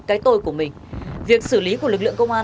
cái tôi của mình việc xử lý của lực lượng công an